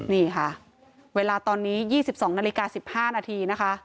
นี่ค่ะเวลาตอนนี้๒๒นาฬิกา๑๕นาทีนะคะ